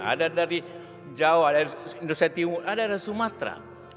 ada dari jawa dari indonesia timur ada dari sumatera